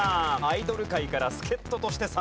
アイドル界から助っ人として参戦。